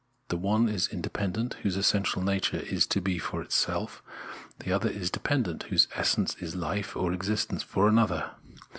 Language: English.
The one is independent whose essential nature is to be for itself, the other is dependent whose essence is hfe or existence for another.